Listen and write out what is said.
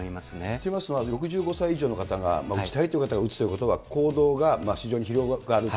といいますのは、６５歳以上の方が打ちたいという方が打つということは、行動が非常に広がると。